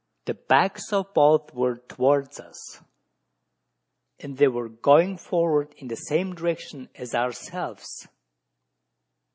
The backs of both were towards us; and they were going forward in the same direction as ourselves.